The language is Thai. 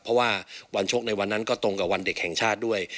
เพราะว่าวันชกในวันนั้นก็ตรงกับวันเด็กแห่งชาติด้วย